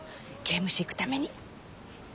刑務所行くために。